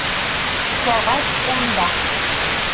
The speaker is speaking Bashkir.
Сәғәт унда